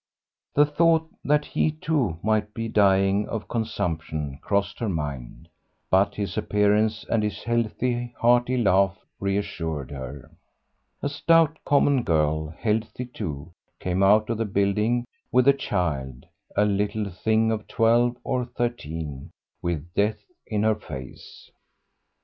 The thought that he, too, might be dying of consumption crossed her mind, but his appearance and his healthy, hearty laugh reassured her. A stout, common girl, healthy too, came out of the building with a child, a little thing of twelve or thirteen, with death in her face. Mr.